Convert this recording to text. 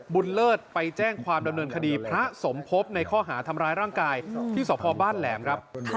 เลิศไปแจ้งความดำเนินคดีพระสมภพในข้อหาทำร้ายร่างกายที่สพบ้านแหลมครับ